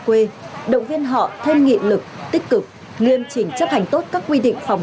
quê động viên họ thêm nghị lực tích cực nghiêm chỉnh chấp hành tốt các quy định phòng